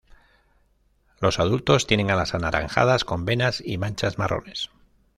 Los adultos tienen alas anaranjadas con venas y manchas marrones.